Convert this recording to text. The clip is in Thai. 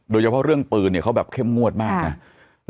โดยเฉพาะเรื่องปืนเนี่ยเขาแบบเข้มงวดมากนะ